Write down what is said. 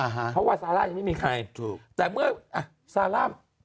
เพราะว่าซาร่ามีใครแต่เมื่อซาร่าม